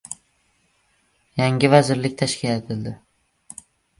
Yangi vazirlik tashkil etildi